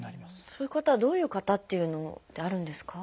そういう方はどういう方っていうのってあるんですか？